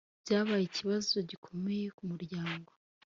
Byabaye ikibazo gikomeye kumuryango